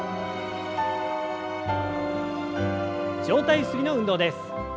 上体ゆすりの運動です。